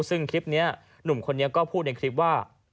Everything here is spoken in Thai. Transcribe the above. ซึ่งคลิปนี้หนุ่มคนนี้ก็พูดในคลิปว่า